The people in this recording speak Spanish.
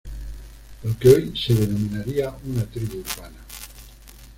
Lo que hoy se denominaría una "tribu urbana".